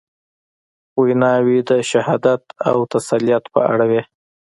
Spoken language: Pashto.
ویناوي د شهادت او تسلیت په اړه وې.